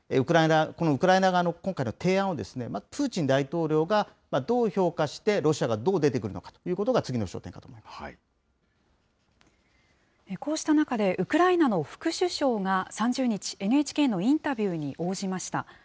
このウクライナ側の今回の提案を、プーチン大統領がどう評価して、ロシアがどう出てくるのかということが、次の焦点となると思いまこうした中で、ウクライナの副首相が３０日、ＮＨＫのインタビューに応じました。